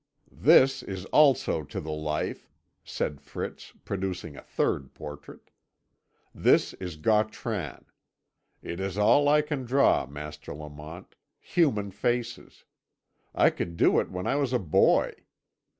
"This is also to the life," said Fritz, producing a third portrait. "This is Gautran. It is all I can draw, Master Lamont human faces; I could do it when I was a boy.